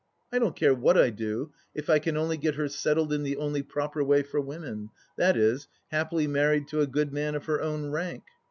... I don't care what I do if I can only get her settled in the only proper way for women, i.e. happily married to a good man of her own rank.